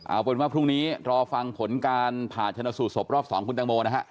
เอาเป็นว่าพรุ่งนี้รอฟังผลการผ่าชนสูตรศพรอบ๒คุณตังโมนะฮะ